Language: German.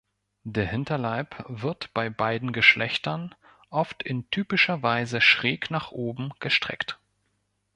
Der Hinterleib wird bei beiden Geschlechtern oft in typischer Weise schräg nach oben gestreckt.